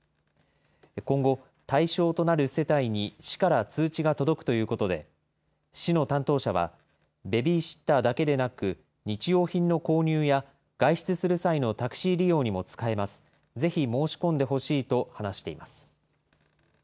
今後、対象となる世帯に市から通知が届くということで、市の担当者は、ベビーシッターだけでなく、日用品の購入や外出する際のタクシー利用にも使えます、ぜひ申し込んでほしいと話しています。